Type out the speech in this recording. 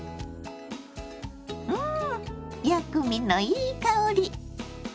ん薬味のいい香り！